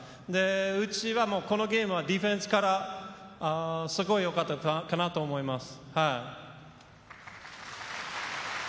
うちはこのゲームはディフェンスからすごいよかったかなと思います。